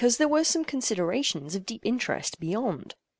Because there were some considerations of deep interest beyond.